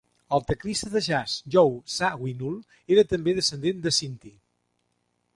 El teclista de jazz Joe Zawinul era també descendent de Sinti.